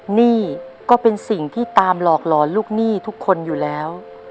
หนี้ก็เป็นสิ่งที่ตามหลอกหลอนลูกหนี้ทุกคนอยู่แล้ว